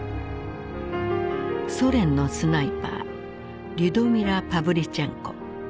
ソ連のスナイパーリュドミラ・パヴリチェンコ。